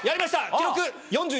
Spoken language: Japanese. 記録。